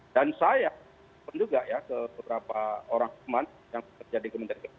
dan saya juga ya ke beberapa orang teman yang terjadi kementerian